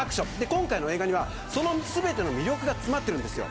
今回の映画にはその全ての魅力が詰まっているんですよ。